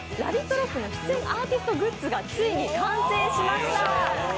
ＲＯＣＫの出演アーティストグッズがついに完成しました。